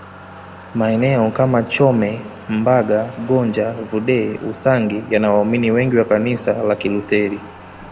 Maeneo kama Chome Mbaga Gonja Vudee Usangi yana waumini wengi wa Kanisa la Kilutheri